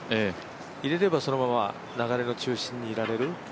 入れればそのまま流れの中心にいられる。